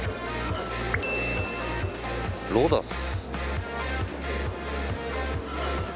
ロダス。